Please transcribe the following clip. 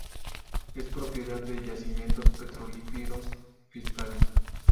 Es propiedad de Yacimientos Petrolíferos Fiscales.